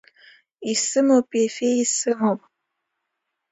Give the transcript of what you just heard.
Исымоуп, Ефе, исымоуп.